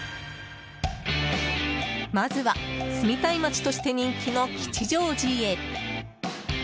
まずは住みたい街として人気の吉祥寺へ。